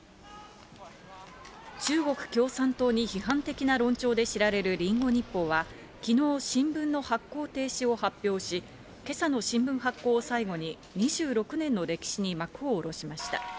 中国共産党に批判的な論調で知られるリンゴ日報は、昨日、新聞の発行停止を発表し、今朝の新聞発行を最後に２６年の歴史に幕を下ろしました。